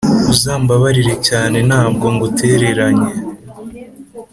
uzambabarire cyane ntabwo ngutereranya